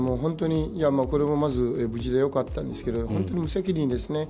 まず無事でよかったんですけど本当に無責任ですね。